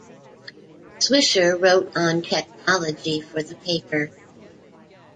Swisher wrote on technology for the paper.